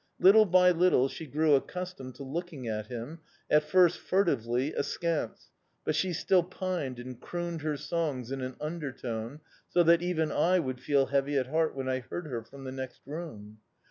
Little by little she grew accustomed to looking at him, at first furtively, askance; but she still pined and crooned her songs in an undertone, so that even I would feel heavy at heart when I heard her from the next room.